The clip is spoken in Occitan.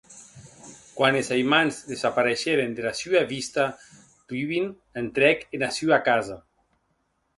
Quan es aimants despareisheren dera sua vista, Rubin entrèc ena sua casa.